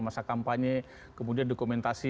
masa kampanye kemudian dokumentasi